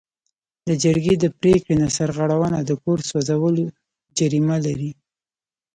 د جرګې د پریکړې نه سرغړونه د کور سوځول جریمه لري.